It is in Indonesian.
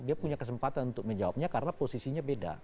dia punya kesempatan untuk menjawabnya karena posisinya beda